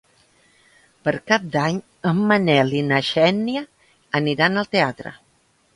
Per Cap d'Any en Manel i na Xènia aniran al teatre.